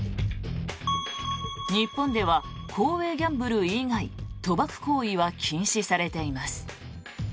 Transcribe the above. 日本では公営ギャンブル以外賭博行為は禁止されています。